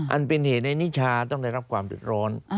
อันเป็นเหตุในนิชาต้องได้รับความเดือดร้อน